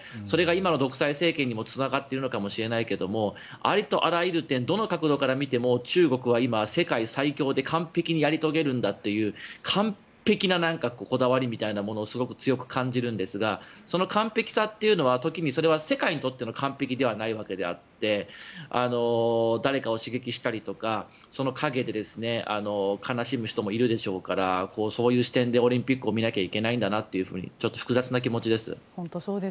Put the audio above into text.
それが今の独裁政権にもつながっているのかもしれないですがありとあらゆる点、どの角度から見ても中国は今、世界最強で完璧にやり遂げるんだという完璧なこだわりみたいなものをすごく強く感じるんですがその完璧さというのは時にそれは世界にとっての完璧ではないわけであって誰かを刺激したりとかその陰で悲しむ人もいるでしょうからそういう視点でオリンピックを見なければいけないんだなというふうにちょっと複雑な気持ちです。